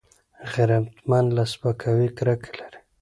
غیرتمند له سپکاوي کرکه لري